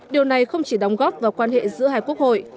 điều này không chỉ đóng góp vào quan hệ giữa hai quốc hội